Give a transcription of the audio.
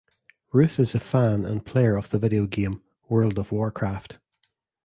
Routh is a fan and player of the video game "World of Warcraft".